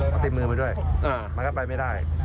เขาติดมือมาด้วยมันก็ไปไม่ได้